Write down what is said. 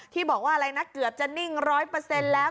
ที่บอกว่าอะไรนะเกือบจะนิ่งร้อยเปอร์เซ็นต์แล้ว